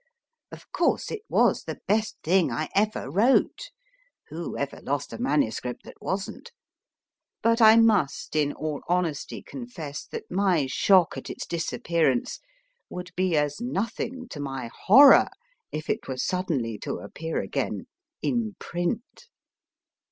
Of course it was the best thing I ever wrote. Who ever lost a manuscript that wasn t ? But I must in all honesty confess that my shock at its disappearance would be as nothing to my horror if it were suddenly to appear again in print.